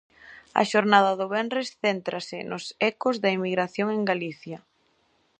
A xornada do venres céntrase nos ecos da emigración en Galicia.